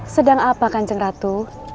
sedang apa kancing ratu